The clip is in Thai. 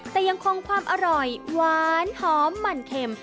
แต่ยังคงความอร่อยหวานหอมมันเข็ม